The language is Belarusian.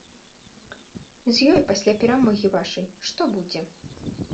З ёй пасля перамогі вашай, што будзе?